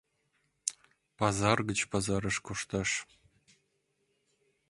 Пазар гыч пазарыш кошташ.